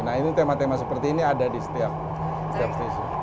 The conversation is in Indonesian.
nah ini tema tema seperti ini ada di setiap stasiun